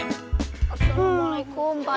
assalamualaikum pak deh